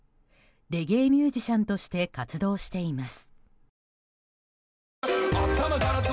レゲエミュージシャンとして活動しています。